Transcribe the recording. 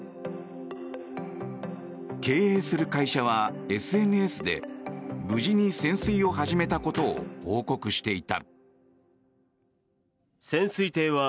経営する会社はＳＮＳで無事に潜水を始めたことを報告していた。